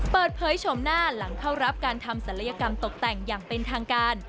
ชมหน้าหลังเข้ารับการทำศัลยกรรมตกแต่งอย่างเป็นทางการ